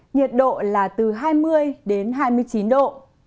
nhiệt độ là từ hai mươi đến hai mươi chín độ